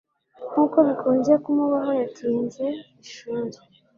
nkuko bikunze kumubaho, yatinze ishuri